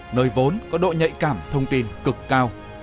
nơi vốn có độ nhạy cảm thông tin cực cao